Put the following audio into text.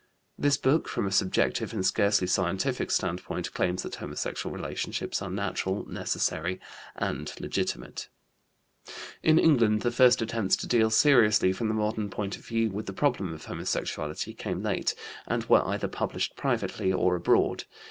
This book, from a subjective and scarcely scientific standpoint, claims that homosexual relationships are natural, necessary, and legitimate. In England the first attempts to deal seriously, from the modern point of view, with the problem of homosexuality came late, and were either published privately or abroad.